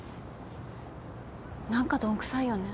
何かどんくさいよね。